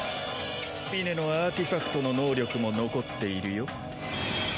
スピネのアーティファクトの能力も残っているよ。